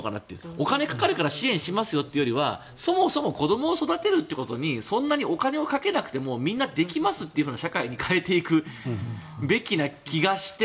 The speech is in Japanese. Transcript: お金かかるから支援しますよっていうよりはそもそも子供を育てることにそんなにお金をかけなくてもみんなできますって社会に変えていくべきな気がして。